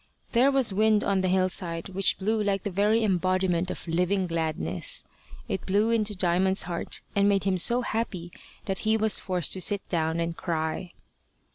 There was a wind on the hillside which blew like the very embodiment of living gladness. It blew into Diamond's heart, and made him so happy that he was forced to sit down and cry.